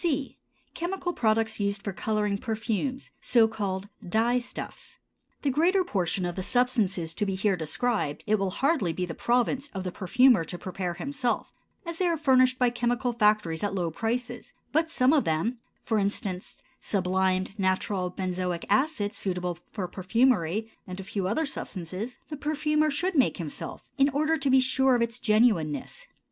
C. Chemical products used for coloring perfumes, so called dye stuffs. The greater portion of the substances to be here described it will hardly be the province of the perfumer to prepare himself, as they are furnished by chemical factories at low prices; but some of them—for instance, sublimed, natural benzoic acid suitable for perfumery and a few other substances—the perfumer should make himself, in order to be sure of its genuineness.